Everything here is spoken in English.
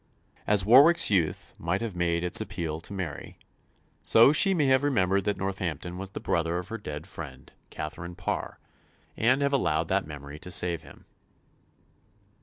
As Warwick's youth may have made its appeal to Mary, so she may have remembered that Northampton was the brother of her dead friend, Katherine Parr, and have allowed that memory to save him.